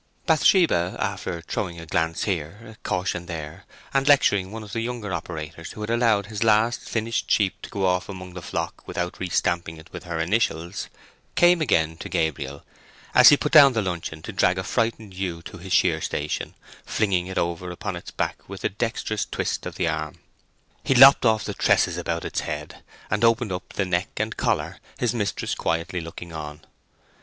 Bathsheba, after throwing a glance here, a caution there, and lecturing one of the younger operators who had allowed his last finished sheep to go off among the flock without re stamping it with her initials, came again to Gabriel, as he put down the luncheon to drag a frightened ewe to his shear station, flinging it over upon its back with a dexterous twist of the arm. He lopped off the tresses about its head, and opened up the neck and collar, his mistress quietly looking on.